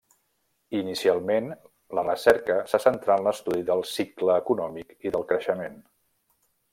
Inicialment, la recerca se centrà en l’estudi del cicle econòmic i del creixement.